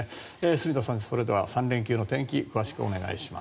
住田さん、それでは３連休の天気詳しくお願いします。